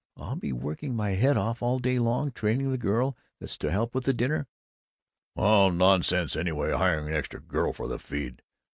I'll be working my head off all day long, training the girl that's to help with the dinner " "All nonsense, anyway, hiring an extra girl for the feed.